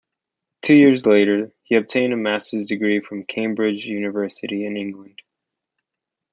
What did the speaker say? Two years later, he obtained a Master's degree from Cambridge University in England.